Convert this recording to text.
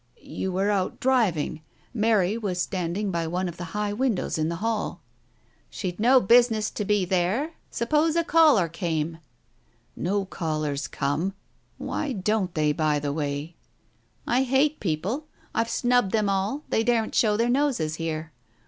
"You were out driving. Mary was standing by one of the high windows in the hall " "She'd no business to be there. Suppose a caller came ?" Digitized by Google 284 TALES OF THE UNEASY "No callers come. Why don't they, by the way ?" "I hate people. I've snubbed them all, they daren't show their noses here.